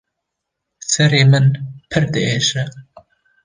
Serê min pir diêşe.